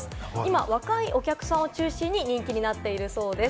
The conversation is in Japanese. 今、若いお客さんを中心に人気になっているそうです。